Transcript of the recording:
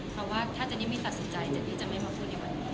เพราะว่าถ้าเจนนี่ไม่ตัดสินใจเจนนี่จะไม่มาพูดในวันนี้